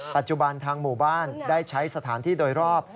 ปัจจุบันทางหมู่บ้านได้ใช้สถานที่โดยรอบ